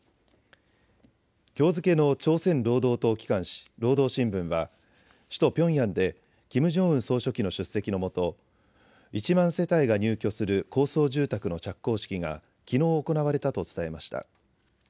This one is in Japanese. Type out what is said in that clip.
きょう付けの朝鮮労働党機関紙、労働新聞は首都ピョンヤンでキム・ジョンウン総書記の出席のもと、１万世帯が入居する高層住宅の着工式がきのう行われたと伝えました。